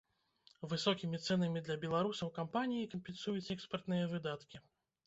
Высокімі цэнамі для беларусаў кампаніі кампенсуюць экспартныя выдаткі.